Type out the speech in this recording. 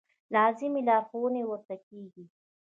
لازمې لارښوونې ورته کېږي.